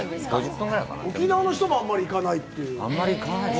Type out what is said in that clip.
沖縄の人もあんまり行かないという。